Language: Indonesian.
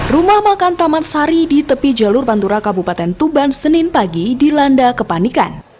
rumah makan taman sari di tepi jalur pantura kabupaten tuban senin pagi dilanda kepanikan